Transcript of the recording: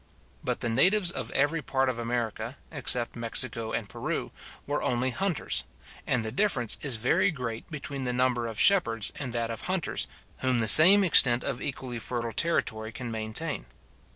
But the natives of every part of America, except Mexico and Peru, were only hunters and the difference is very great between the number of shepherds and that of hunters whom the same extent of equally fertile territory can maintain.